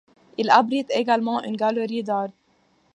Il abrite également une galerie d'art.